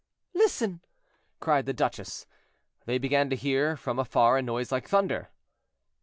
"Listen!" cried the duchess. They began to hear from afar a noise like thunder.